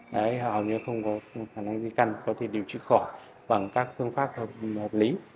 đấy hầu như không có khả năng di căn có thể điều trị khỏi bằng các phương pháp hợp lý